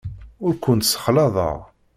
Ur kent-ssexlaḍeɣ.